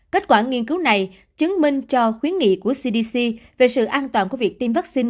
kết quả nghiên cứu này chứng minh cho khuyến nghị của cdc về sự an toàn của việc tiêm vaccine